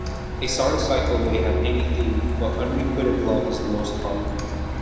A sonnet cycle may have any theme, but unrequited love is the most common.